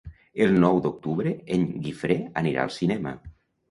El nou d'octubre en Guifré anirà al cinema.